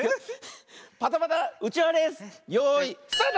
パタパタうちわレースよいスタート！